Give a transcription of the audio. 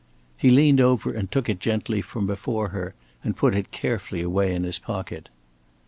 He leaned over and took it gently from before her, and put it carefully away in his pocket.